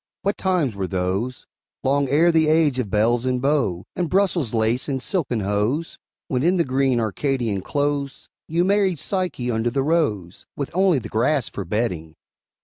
What times were those, Long ere the age of belles and beaux, And Brussels lace and silken hose, When, in the green Arcadian close, You married Psyche under the rose, With only the grass for bedding!